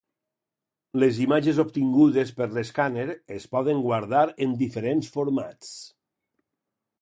Les imatges obtingudes per l'escàner es poden guardar en diferents formats.